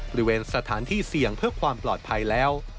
บริเวณสถานที่เสี่ยงเพื่อความปลอดภัยแล้ว